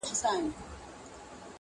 باغ او باغچه به ستا وي!.